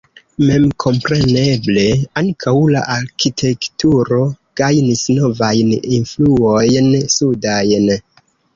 Memkompreneble ankaŭ la arkitekturo gajnis novajn influojn sudajn.